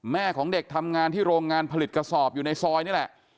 แม่ของเด็กทำงานที่โรงงานผลิตกระสอบอยู่ในซอยนี่แหละ